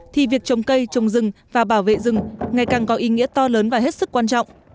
thì việc trồng cây trồng rừng và bảo vệ rừng ngày càng có ý nghĩa to lớn và hết sức quan trọng